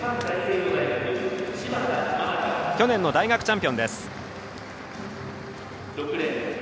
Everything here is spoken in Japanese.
去年の大学チャンピオンです。